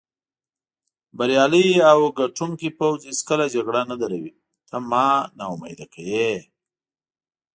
بریالی او ګټوونکی پوځ هېڅکله جګړه نه دروي، ته ما نا امیده کوې.